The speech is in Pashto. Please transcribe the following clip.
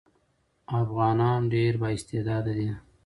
افغانان ډېر با استعداده دي.